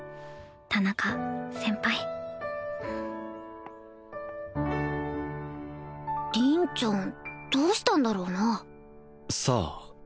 田中先輩凛ちゃんどうしたんだろうなさあ